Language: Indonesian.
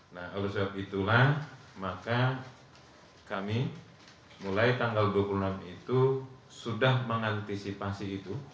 nah oleh sebab itulah maka kami mulai tanggal dua puluh enam itu sudah mengantisipasi itu